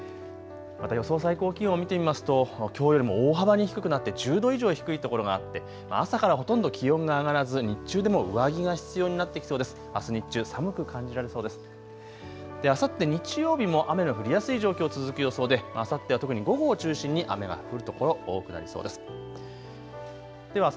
また予想最高気温見てみますときょうよりも大幅に低くなって１０度以上低いところがあって朝からほとんど気温が上がらず日中でも上着が必要になってきそうです。